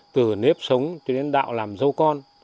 từ nếp sống cho đến đạo làm dâu con